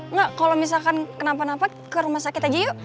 enggak kalau misalkan kenapa nampak ke rumah sakit aja yuk